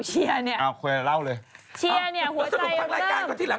นี่ข่าวเชียร์นี่